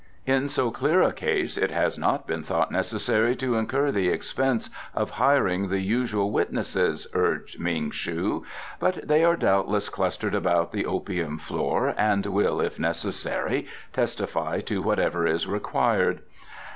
"In so clear a case it has not been thought necessary to incur the expense of hiring the usual witnesses," urged Ming shu; "but they are doubtless clustered about the opium floor and will, if necessary, testify to whatever is required."